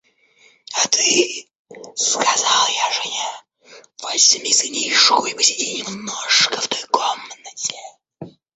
А ты, — сказал я жене, — возьми сынишку и посиди немножко в той комнате.